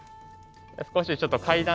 少しちょっと階段